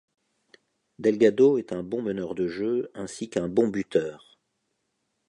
Delgado est un bon meneur de jeu, ainsi qu'un bon buteur.